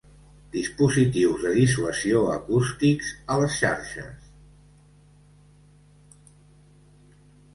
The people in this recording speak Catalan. Dispositius de dissuasió acústics a les xarxes.